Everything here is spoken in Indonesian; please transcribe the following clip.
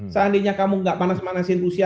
seandainya kamu nggak panas manasin rusia